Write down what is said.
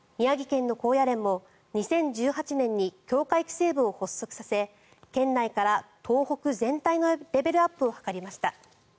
県の高野連も２０１８年に強化育成部を発足させ県内から東北全体のレベルアップを図りました。